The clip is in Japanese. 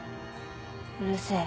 うるせぇ。